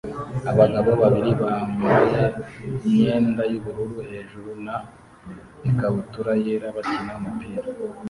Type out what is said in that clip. Abagabo babiri bambaye imyenda yubururu hejuru na ikabutura yera bakina umupira